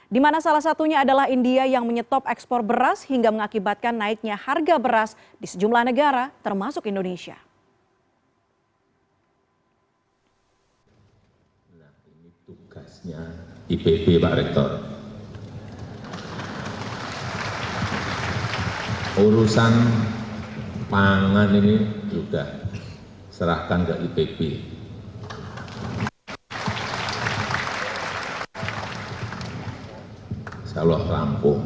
dimana salah satunya adalah india yang menyetop ekspor beras hingga mengakibatkan naiknya harga beras di sejumlah negara termasuk indonesia